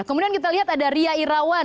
kemudian kita lihat ada ria irawan